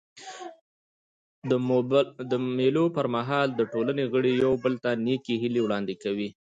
د مېلو پر مهال د ټولني غړي یو بل ته نېکي هیلي وړاندي کوي.